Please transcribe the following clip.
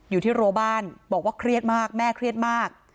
อยู่ที่โรบ้านบอกว่าเครียดมากแม่เครียดมาก